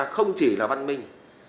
không chỉ là văn minh